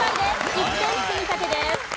１点積み立てです。